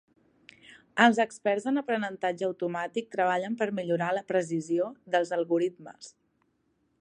Els experts en aprenentatge automàtic treballen per millorar la precisió dels algoritmes.